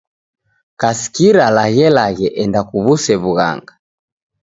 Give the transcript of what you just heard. Kasikira laghelaghe enda kuw'use w'ughanga.